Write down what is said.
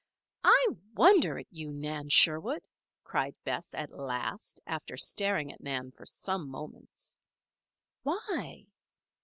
"I wonder at you, Nan Sherwood!" cried Bess, at last, after staring at Nan for some moments. "Why?"